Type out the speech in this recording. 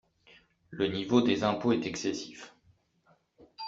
Le niveau des impôts est excessif.